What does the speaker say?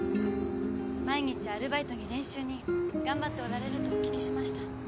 毎日アルバイトに練習に頑張っておられるとお聞きしました。